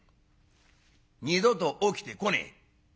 「二度と起きてこねえ」。